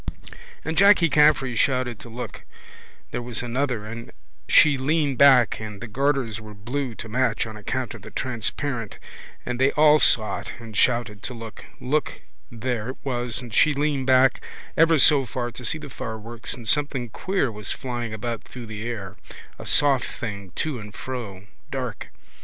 And Jacky Caffrey shouted to look, there was another and she leaned back and the garters were blue to match on account of the transparent and they all saw it and they all shouted to look, look, there it was and she leaned back ever so far to see the fireworks and something queer was flying through the air, a soft thing, to and fro, dark.